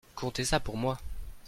Comptez ça pour moi.